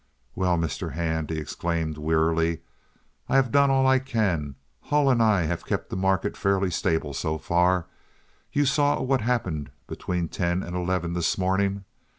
"Well, Mr. Hand," he exclaimed, wearily, "I've done all I can. Hull and I have kept the market fairly stable so far. You saw what happened between ten and eleven this morning.